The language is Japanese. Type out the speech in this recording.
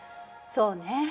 そうね。